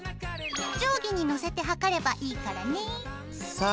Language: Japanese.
定規にのせて測ればいいからね。